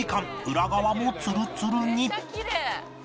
裏側もツルツルに